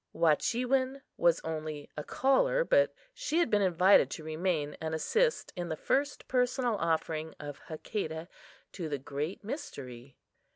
Wahchewin was only a caller, but she had been invited to remain and assist in the first personal offering of Hakadah to the "Great Mystery."